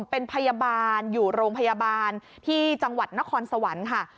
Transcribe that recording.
เป็นพยาบาลอยู่โรงพยาบาลที่จังหวัดนครสวรรค์ค่ะ